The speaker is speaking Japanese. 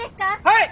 はい！